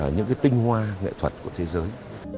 những tinh hoa nghệ thuật của thế giới